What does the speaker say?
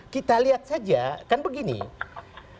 kita lihat saja kan begitu saja